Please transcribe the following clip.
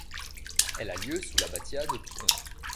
Elle a lieu sous l'abbatiat de Pons.